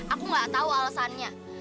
aku gak tahu alesannya